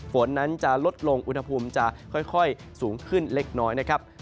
ฝนนั้นจะลดลงอุณหภูมิจะค่อยสูงขึ้นเล็กน้อยนะครับ